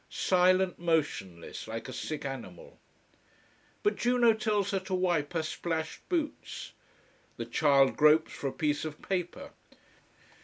Silent, motionless, like a sick animal. But Juno tells her to wipe her splashed boots. The child gropes for a piece of paper.